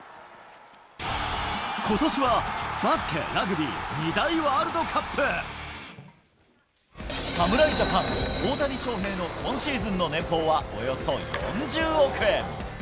ことしはバスケ、ラグビー、２大ワールドカップ。侍ジャパン、大谷翔平の今シーズンの年俸は、およそ４０億円。